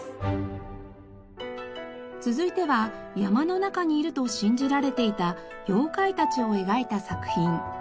続いては山の中にいると信じられていた妖怪たちを描いた作品。